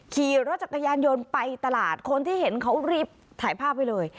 ขี่รถจักรยานยนต์ไปตลาดคนที่เห็นเขารีบถ่ายภาพไว้เลย